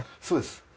そうです。